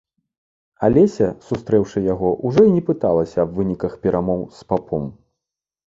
Алеся, сустрэўшы яго, ужо і не пыталася аб выніках перамоў з папом.